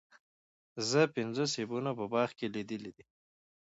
زه پنځه سیبونه په باغ کې لیدلي دي.